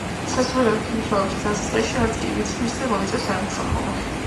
საზღვარგარეთ მუშაობის დასაწყისში, არც კი ვიცი, ვისთან მომიწევს თანამშრომლობა.